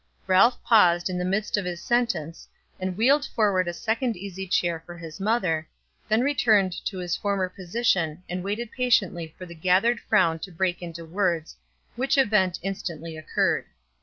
Ralph paused in the midst of his sentence, and wheeled forward a second easy chair for his mother, then returned to his former position and waited patiently for the gathered frown to break into words, which event instantly occurred.